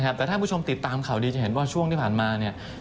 แต่ถ้าท่านผู้ชมติดตามเขาดีจะเห็นว่าช่วงที่ภารมานี่